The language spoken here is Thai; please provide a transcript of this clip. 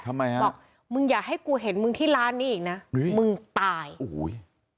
ทำไมฮะบอกมึงอย่าให้กูเห็นมึงที่ร้านนี้อีกนะเฮ้ยมึงตายโอ้โห